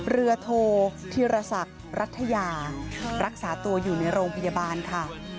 เรือโทธีรศักดิ์รัฐยารักษาตัวอยู่ในโรงพยาบาลค่ะ